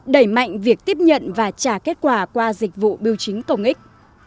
đẩy mạnh việc tiếp nhận và trả kết quả qua dịch vụ biểu chính công ích